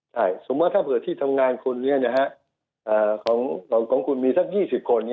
ใช่สมมุติถ้าเผื่อที่ทำงานคุณของคุณมีสัก๒๐คน